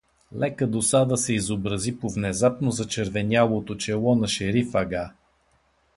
Лека досада се изобрази по внезапно зачервенялото чело на Шериф ага.